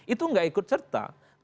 itu gak ikut serta merta